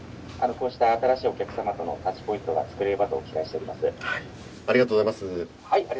こうした新しいお客様とのタッチポイントが作れればと期待しておありがとうございます。